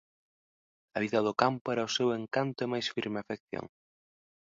A vida do campo era o seu encanto e máis firme afección.